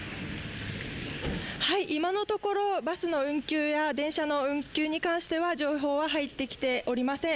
今のところバスの運休や電車の運休に関しては情報は入ってきておりません。